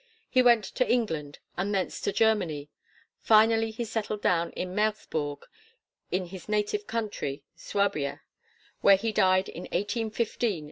He went to England and thence to Germany. Finally he settled down in Mersbourg in his native country, Suabia, where he died in 1815, at the age of eighty one.